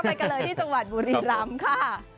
มาก็เลยที่จังหวัดบุรีรัมค์ค่ะ